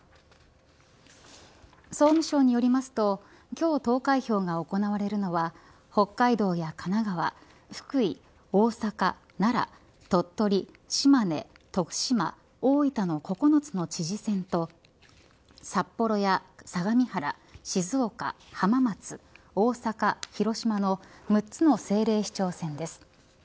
総務省によりますと今日、投開票が行われるのは北海道や神奈川福井、大阪、奈良鳥取、島根徳島、大分の９つの知事選と札幌や相模原静岡、浜松大阪、広島の６つの政令市長選です。